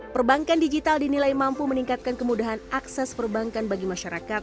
perbankan digital dinilai mampu meningkatkan kemudahan akses perbankan bagi masyarakat